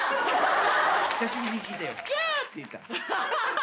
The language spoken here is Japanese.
久しぶりに聞いたよね、きゃー！って言ったの。